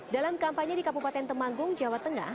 dalam kampanye di kabupaten temanggung jawa tengah